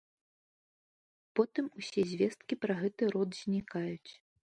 Потым усе звесткі пра гэты род знікаюць.